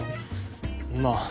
まあ。